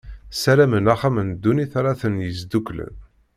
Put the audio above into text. Ssaramen axxam n ddunit ara ten-yesduklen.